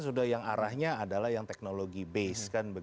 masalahnya adalah yang teknologi base